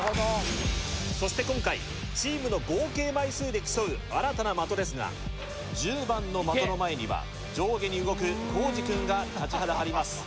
そして今回チームの合計枚数で競う新たな的ですが１０番の的の前には上下に動くコージくんが立ちはだかります